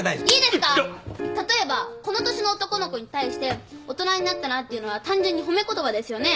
例えばこの年の男の子に対して大人になったなって言うのは単純に褒め言葉ですよね？